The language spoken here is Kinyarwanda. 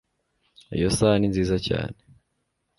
iyo saha ni nziza cyane